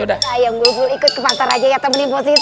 ayo bulbul ikut ke pasar aja ya temenin posisi